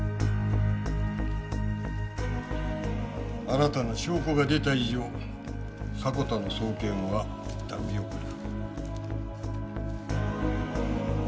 新たな証拠が出た以上迫田の送検はいったん見送る。